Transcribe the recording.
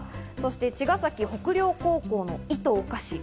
茅ヶ崎北陵高校の『いとおかし。』。